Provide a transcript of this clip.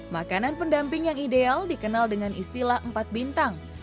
makanan pendamping yang ideal dikenal dengan istilah empat bintang